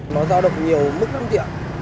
nó giao động nhiều mức năm triệu